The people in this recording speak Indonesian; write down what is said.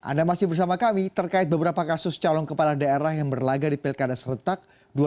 anda masih bersama kami terkait beberapa kasus calon kepala daerah yang berlaga di pilkada seretak dua ribu delapan belas